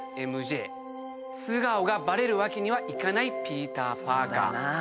素顔がバレるわけにはいかないピーター・パーカー。